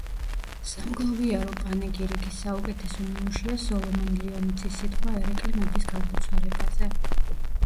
სამგლოვიარო პანეგირიკის საუკეთესო ნიმუშია სოლომონ ლიონიძის სიტყვა ერეკლე მეფის გარდაცვალებაზე.